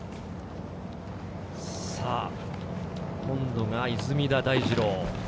今度が出水田大二郎。